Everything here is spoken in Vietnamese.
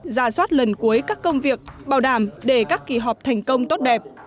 ra soát lần cuối các công việc bảo đảm để các kỳ họp thành công tốt đẹp